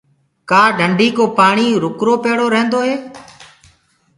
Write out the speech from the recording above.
ڪآ ڍندي ڪو پآڻي رُڪرو پيڙو رهيندو هي؟